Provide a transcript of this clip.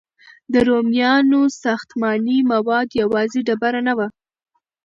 د رومیانو ساختماني مواد یوازې ډبره نه وه.